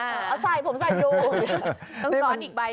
เอาใส่ผมใส่ดู